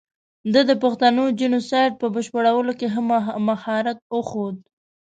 ده د پښتون جینو سایډ په بشپړولو کې ښه مهارت وښود.